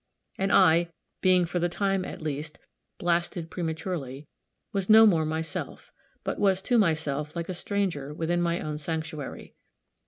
And I, being for the time at least, blasted prematurely, was no more myself, but was to myself like a stranger within my own sanctuary.